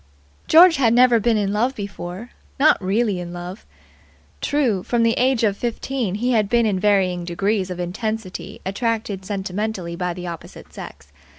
George had never been in love before. Not really in love. True, from the age of fifteen, he had been in varying degrees of intensity attracted sentimentally by the opposite sex.